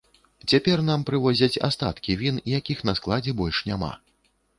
Цяпер нам прывозяць астаткі він, якіх на складзе больш няма.